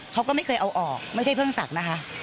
เขาก็ไม่เคยเอาออกไม่ใช่เพิ่งศักดิ์นะคะ